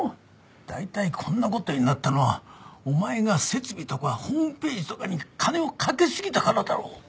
大体こんな事になったのはお前が設備とかホームページとかに金をかけすぎたからだろう。